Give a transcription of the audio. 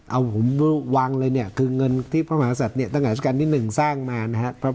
เอาผมวางเลยเนี่ยคือเงินที่พระมหาศัตริย์เนี่ยตั้งแต่ราชการที่๑สร้างมานะครับ